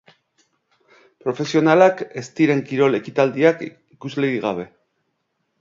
Profesionalak ez diren kirol ekitaldiak ikuslerik gabe.